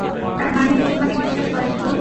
তার মানে ও তোমাকে বিশ্বাস করে, স্টোন।